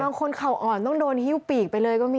บางคนขาวอ่อนต้องโดนฮิลปีกไปเลยก็มี